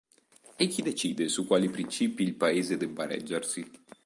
E chi decide su quali principi il paese debba reggersi?